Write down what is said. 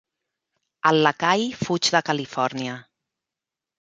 El lacai fuig de Califòrnia.